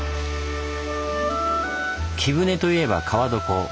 貴船といえば川床。